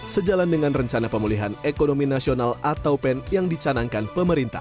sejalan dengan rencana pemulihan ekonomi nasional atau pen yang dicanangkan pemerintah